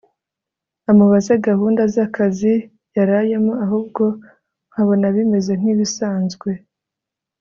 amubaze gahunda zakazi yarayemo ahubwo nkabona bimeze nkibisanzwe